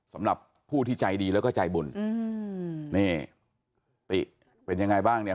สำหรับผู้ที่ใจดีแล้วก็ใจบุญอืมนี่ติเป็นยังไงบ้างเนี่ย